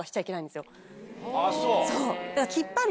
あっそう。